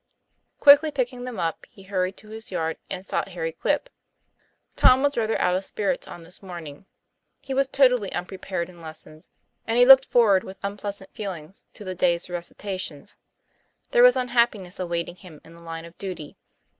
Quickly picking them up, he hurried to his yard and sought Harry Quip. Tom was rather out of spirits on this morning he was totally unprepared in lessons, and he looked forward with unpleasant feelings to the day's recitations. There was unhappiness awaiting him in the line of duty.